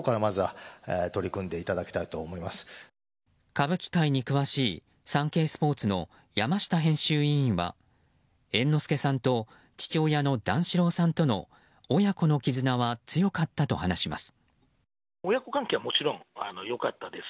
歌舞伎界に詳しいサンケイスポーツの山下編集委員は猿之助さんと父親の段四郎さんとの親子の絆は強かったと話します。